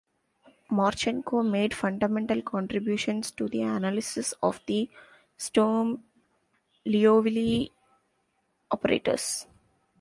Marchenko made fundamental contributions to the analysis of the Sturm-Liouville operators.